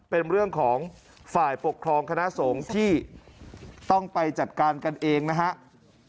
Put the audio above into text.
เป็นเรื่องของฝ่ายปกครองคณะสงฆ์ที่ต้องไปจัดการกันเองนะครับ